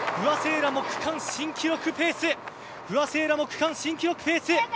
区間新記録ペース不破聖衣来も区間新記録ペース。